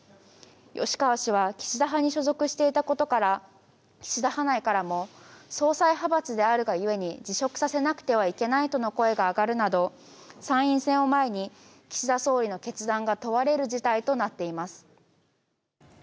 吉川氏は岸田派に所属していたことから岸田派内からも総裁派閥であるが故に辞職させなくてはいけないなどの声が上がるなど参院選を前に岸田総理の決断が問われる事態となっています。